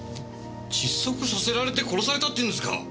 窒息させられて殺されたっていうんですか！？